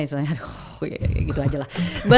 istilahnya aduh gitu aja lah